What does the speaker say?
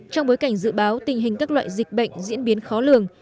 trong bối cảnh dự báo tình hình các loại dịch bệnh diễn biến khó lường